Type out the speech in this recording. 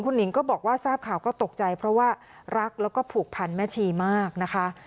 หนิงก็บอกว่าทราบข่าวก็ตกใจเพราะว่ารักแล้วก็ผูกพันแม่ชีมากนะคะ